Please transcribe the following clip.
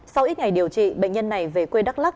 sau ít ngày điều trị bệnh nhân này về quê đắk lắc